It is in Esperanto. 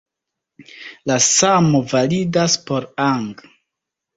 La samo validas por ang.